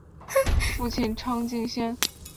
父亲畅敬先。